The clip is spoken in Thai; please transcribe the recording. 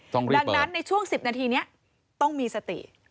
ดังนั้นในช่วง๑๐นาทีนี้ต้องมีสติ